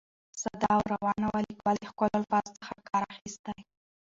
ساده او روانه وه، ليکوال د ښکلو الفاظو څخه کار اخیستى.